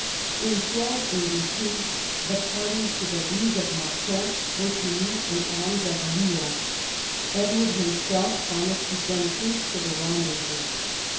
In 1 282 the parties to the League of Macon were to meet in ai'ms at Lyons. Edward himself promised to send troops to the rendezvous.